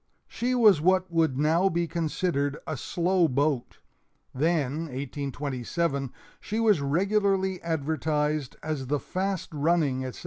She was what would now be considered a slow boat then (1827) she was regularly advertised as the "fast running," etc.